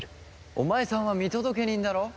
お前さんは見届け人だろう？